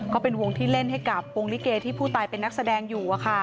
ก็เป็นวงที่เล่นให้กับวงลิเกที่ผู้ตายเป็นนักแสดงอยู่